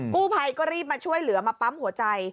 กู้ภัยก็รีบมาช่วยเหลือมาปั๊มหัวใจ